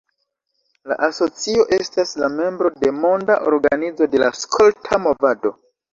La asocio estas la membro de Monda Organizo de la Skolta Movado.